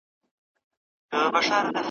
جهنم ته چي د شیخ جنازه یوسي `